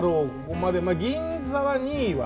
まあ銀座は２位は。